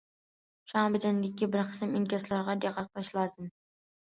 شۇڭا بەدەندىكى بىر قىسىم ئىنكاسلارغا دىققەت قىلىش لازىم.